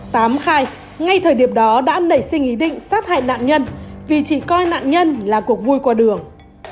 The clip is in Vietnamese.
tám khai ngay thời điểm đó đã nảy sinh ý định sát hại nạn nhân vì chỉ coi nạn nhân là cuộc vui qua đường